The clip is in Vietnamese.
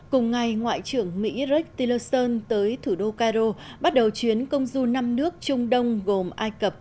cùng ngày ngoại trưởng mỹ rectilleron tới thủ đô cairo bắt đầu chuyến công du năm nước trung đông gồm ai cập